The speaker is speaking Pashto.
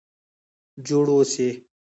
جوړ اوسئ؟